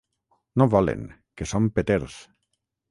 No volen, que són peters.